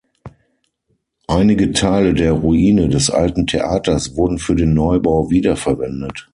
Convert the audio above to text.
Einige Teile der Ruine des alten Theaters wurden für den Neubau wiederverwendet.